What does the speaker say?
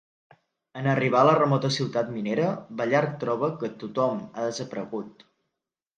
En arribar a la remota ciutat minera, Ballard troba que tothom ha desaparegut.